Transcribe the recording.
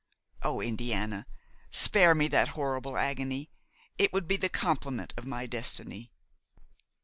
Oh! Indiana, spare me that horrible agony; it would be the complement of my destiny.'